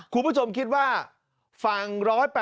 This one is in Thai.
คุณผู้ชมคิดว่าฝั่ง๑๘๐